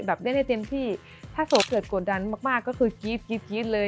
แบบเล่นให้เต็มที่ถ้าโหเผิดกดดันมากก็คือกิฟต์เลย